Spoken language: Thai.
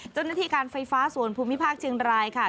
เจ้าหน้าที่การไฟฟ้าส่วนภูมิภาคเชียงรายค่ะ